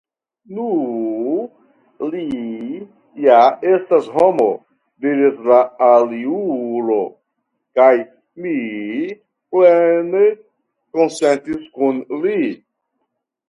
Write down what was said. Nu, li ja estas homo, diris la aliulo, kaj mi plene konsentis kun li.